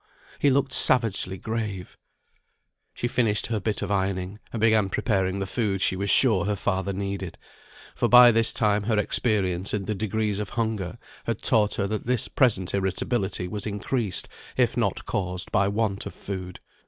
he looked savagely grave. She finished her bit of ironing, and began preparing the food she was sure her father needed; for by this time her experience in the degrees of hunger had taught her that his present irritability was increased, if not caused, by want of food.